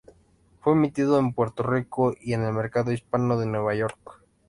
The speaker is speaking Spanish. Fue emitido en Puerto Rico y en el mercado hispano de Nueva York.